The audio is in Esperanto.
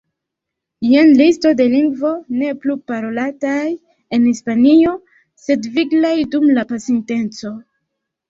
Jen listo de lingvoj ne plu parolataj en Hispanio, sed viglaj dum la pasinteco.